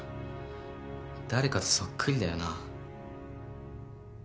誰かとそっくりだよな。